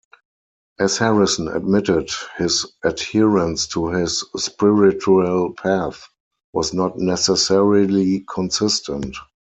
As Harrison admitted, his adherence to his spiritual path was not necessarily consistent.